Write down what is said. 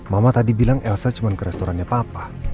mama tadi bilang elsa cuma ke restorannya papa